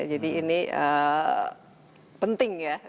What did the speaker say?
jadi ini penting ya